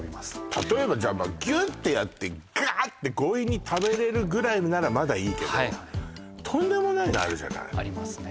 例えばじゃあギュッてやってガーッて強引に食べれるぐらいならまだいいけどとんでもないのあるじゃない？ありますね